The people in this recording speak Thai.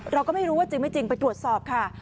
เราก็ไม่รู้ว่าจริงไม่จริงไปตรวจสอบค่ะ